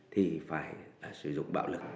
thì phải sử dụng bạo lực